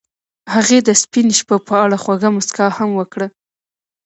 هغې د سپین شپه په اړه خوږه موسکا هم وکړه.